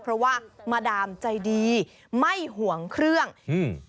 เพราะว่ามาดามใจดีไม่ห่วงเครื่องอืม